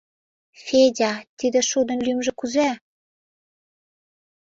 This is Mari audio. — Федя, тиде шудын лӱмжӧ кузе?